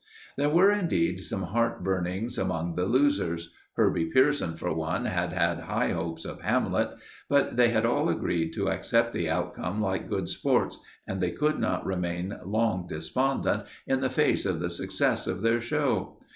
There were, indeed, some heart burnings among the losers. Herbie Pierson, for one, had had high hopes of Hamlet. But they had all agreed to accept the outcome like good sports and they could not remain long despondent in the face of the success of their show.